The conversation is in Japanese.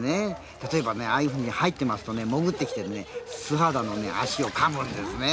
例えばああいうふうに入ってますと潜ってきて素肌の足をかむんですね。